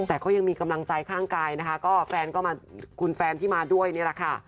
แต่ก็ยังมีกำลังใจข้างกายนะคะก็แฟนก็มาคุณแฟนที่มาด้วยนี่แหละค่ะ